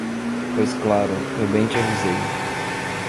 pois claro, eu bem te avisei.